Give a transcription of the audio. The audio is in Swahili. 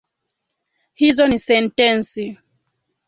Hizo ni sentensi